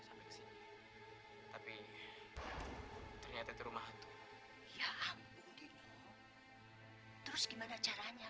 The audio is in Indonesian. sampai jumpa di video selanjutnya